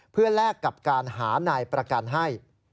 เพื่อแลกกับการหานายประกันให้